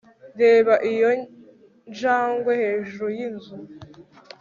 reba iyo njangwe hejuru yinzu